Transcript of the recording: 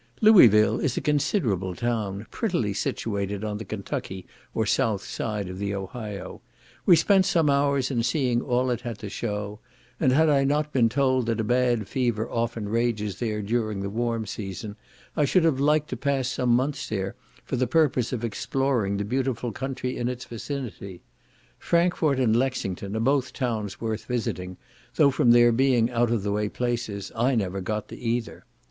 Louisville is a considerable town, prettily situated on the Kentucky, or south side of the Ohio; we spent some hours in seeing all it had to shew; and had I not been told that a bad fever often rages there during the warm season, I should have liked to pass some months there for the purpose of exploring the beautiful country in its vicinity. Frankfort and Lexington are both towns worth visiting, though from their being out of the way places, I never got to either.